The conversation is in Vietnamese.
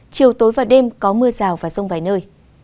chiều tối và đêm có mưa rào và rông vài nơi